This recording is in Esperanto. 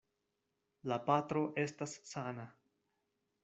La patro estas sana.